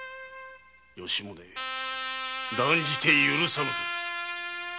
吉宗断じて許さぬ！